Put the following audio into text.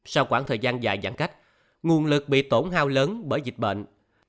sau khoảng thời gian dài giãn cách nguồn lực bị tổn hao lớn bởi dịch bệnh